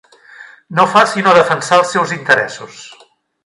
No fa sinó defensar els seus interessos.